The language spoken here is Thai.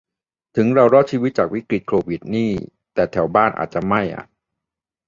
ถึงเรารอดชีวิตจากวิกฤติโควิดนี่แต่แถวบ้านอาจไม่มีอะ